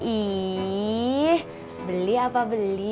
ih beli apa beli